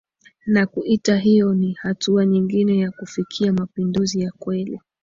na kuita hiyo ni hatua nyingine ya kufikia mapinduzi ya kweli